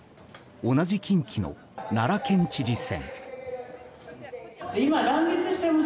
同じ近畿の奈良県知事選。